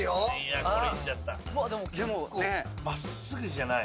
真っすぐじゃない。